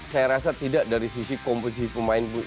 saya rasa tidak dari sisi komposisi pemain